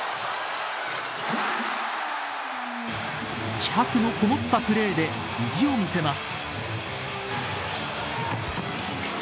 気迫のこもったプレーで意地を見せます。